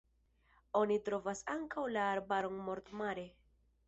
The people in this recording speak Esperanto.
Oni trovas ankaŭ la arbaron Mort-Mare.